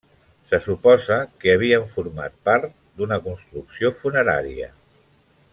Se suposa que havien format part d'una construcció funerària.